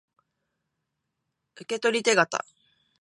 受取手形